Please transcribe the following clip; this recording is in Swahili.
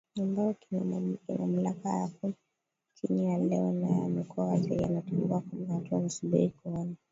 ambayo kimamlaka yako chini yao Leo naye amekuwa waziri anatambua kwamba watu wanasubiri kuona